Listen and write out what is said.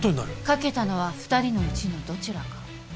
かけたのは２人のうちのどちらか。